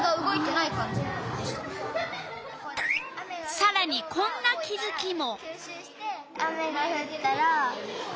さらにこんな気づきも。